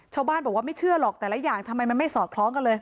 ชาวบ้านบอกว่าไม่เชื่อหรอกแต่ละอย่างทำไมมันไม่สอดคล้องกันเลย